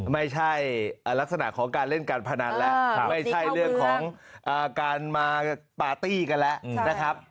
ไม่ใช่ลักษณะของการเล่นการพนันแล้วไม่ใช่เรื่องของการมาปาร์ตี้กันแล้วนะครับ